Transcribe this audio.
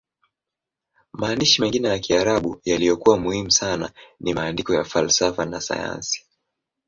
Maandishi mengine ya Kiarabu yaliyokuwa muhimu sana ni maandiko ya falsafa na sayansi.